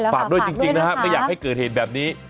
ฝากด้วยจริงนะฮะไม่อยากให้เกิดเหตุแบบนี้